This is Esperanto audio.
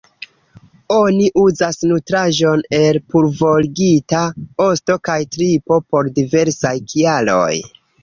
Oni uzas nutraĵon el pulvorigita osto kaj tripo pro diversaj kialoj.